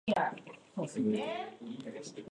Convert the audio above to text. The town is also home to the Lord's Prayer Rock.